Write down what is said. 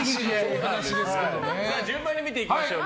順番に見ていきましょう。